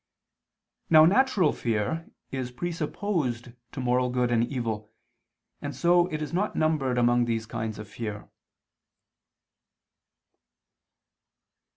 Now natural fear is presupposed to moral good and evil, and so it is not numbered among these kinds of fear.